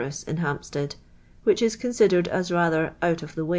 Tom in Ilampst ad, which is con<i diTi'd a< rather " out of the w.